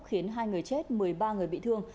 khiến hai người chết một mươi ba người bị thương